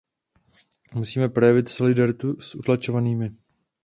Musíme projevit solidaritu s utlačovanými.